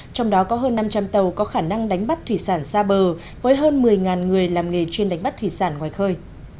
trong đó có hơn năm trăm linh tàu có khả năng đánh bắt thủy sản xa bờ với hơn một mươi người làm nghề chuyên đánh bắt thủy sản ngoài khơi